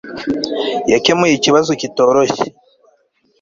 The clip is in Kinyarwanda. yakemuye ikibazo kitoroshye